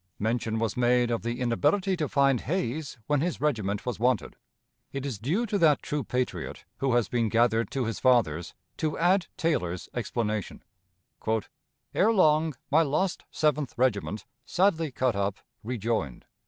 Mention was made of the inability to find Hayes when his regiment was wanted. It is due to that true patriot, who has been gathered to his fathers, to add Taylor's explanation: "Ere long my lost Seventh Regiment, sadly cut up, rejoined.